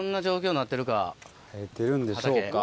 生えてるんでしょうか。